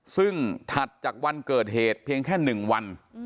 ซึ่งถัดจากวันเกิดเหตุเพียงแค่๑วัน